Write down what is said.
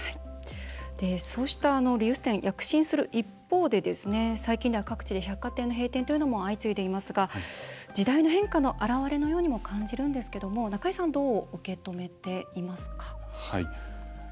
そうしたリユース店躍進する一方で最近では各地で百貨店の閉店などが相次いでいますが時代の変化の表れのようにも感じるんですけど、中井さんどう受け止めていますか？